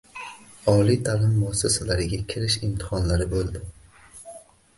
Oliy taʼlim muassasalariga kirish imtihonlari bo'ldi